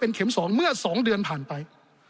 เข็ม๒เมื่อ๒เดือนผ่านไป